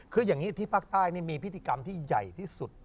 คืออย่างนี้ที่ภาคใต้นี่มีพิธีกรรมที่ใหญ่ที่สุด